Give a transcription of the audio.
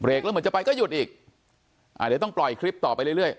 เหมือนจะไปก็หยุดอีกอ่าเดี๋ยวต้องปล่อยคลิปต่อไปเรื่อยเรื่อย